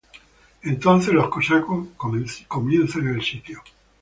Entonces los cosacos comienzan el sitio.